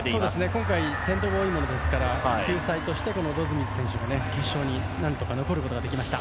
今回、転倒が多いので救済としてロズミス選手は決勝に何とか残ることができました。